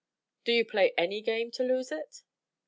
"Do you play any game to lose it?"